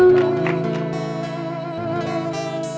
ซอโอลินค่ะ